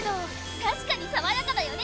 確かにさわやかだよね！